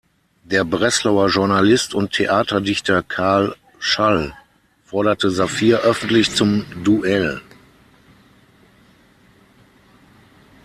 Der Breslauer Journalist und Theaterdichter Karl Schall forderte Saphir öffentlich zum Duell.